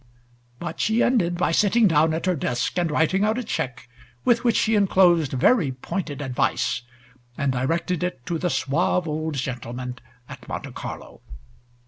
But she ended by sitting down at her desk and writing out a check, with which she enclosed very pointed advice, and directed it to the suave old gentleman at Monte Carlo.